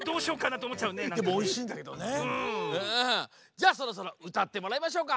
じゃあそろそろうたってもらいましょうか。